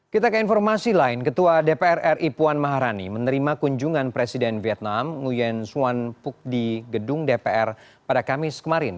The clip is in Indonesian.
kita ke informasi lain ketua dpr ri puan maharani menerima kunjungan presiden vietnam nguyen suan puk di gedung dpr pada kamis kemarin